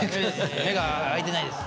目が開いてないです。